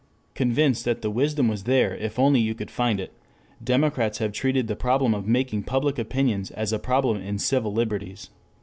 Convinced that the wisdom was there if only you could find it, democrats have treated the problem of making public opinions as a problem in civil liberties.